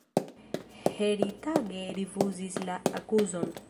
Heritage rifuzis la akuzon.